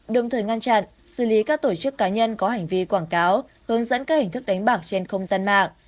đồng thời ngăn chặn xử lý các tổ chức cá nhân có hành vi quảng cáo hướng dẫn các hình thức đánh bạc trên không gian mạng